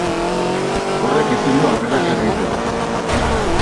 Horrek ezin du aurrera jarraitu.